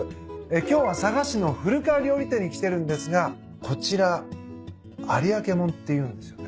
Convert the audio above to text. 今日は佐賀市の古川料理店に来てるんですがこちら有明もんっていうんですよね。